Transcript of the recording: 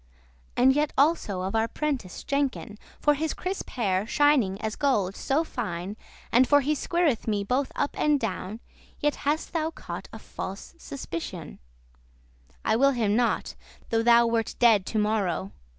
And yet also of our prentice Jenkin, For his crisp hair, shining as gold so fine, And for he squireth me both up and down, Yet hast thou caught a false suspicioun: I will him not, though thou wert dead to morrow.